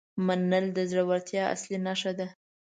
منل د زړورتیا اصلي نښه ده.